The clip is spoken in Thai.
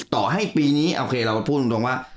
ต่อให้ปีนี้โอเคเราพูดตรงว่า